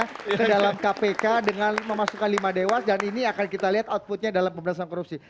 ke dalam kpk dengan memasukkan lima dewas dan ini akan kita lihat outputnya dalam pemberantasan korupsi